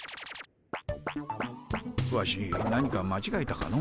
ワシ何かまちがえたかの？